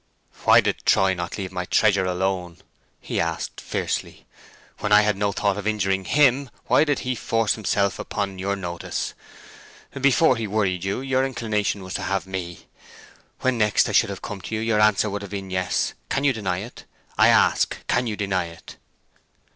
"Why did Troy not leave my treasure alone?" he asked, fiercely. "When I had no thought of injuring him, why did he force himself upon your notice! Before he worried you your inclination was to have me; when next I should have come to you your answer would have been Yes. Can you deny it—I ask, can you deny it?"